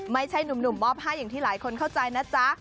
ไม่ใช่หนุ่มมอบให้อย่างที่หลายคนเข้าใจนะจ๊ะ